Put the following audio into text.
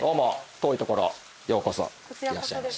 遠い所ようこそいらっしゃいました。